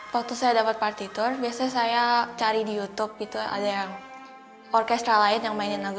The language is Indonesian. waktu saya dapat partitur biasanya saya cari di youtube gitu ada yang orkestra lain yang mainin lagu